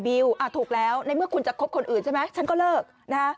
ถูกแล้วในเมื่อคุณจะคบคนอื่นใช่ไหมฉันก็เลิกนะฮะ